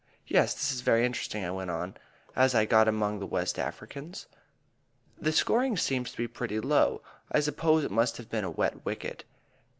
Yes, this is very interesting," I went on, as I got among the West Africans. "The scoring seems to be pretty low; I suppose it must have been a wet wicket.